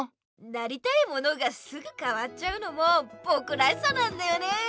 なりたいものがすぐかわっちゃうのもぼくらしさなんだよねえ！